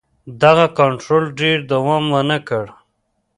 دغه کنټرول ډېر دوام ونه کړ.